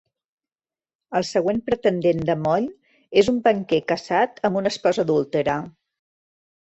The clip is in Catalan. El següent pretendent de Moll és un banquer casat amb una esposa adúltera.